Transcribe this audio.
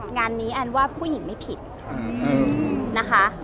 งานนี้แอนว่าผู้หญิงไม่ผิดนะคะ